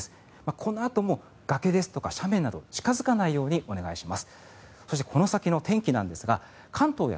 このあとも崖や斜面など近付かないようにお願いします。